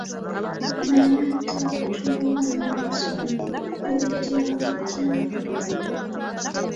Naye ate obutuulo bwa Nnamasole buyitibwa butya?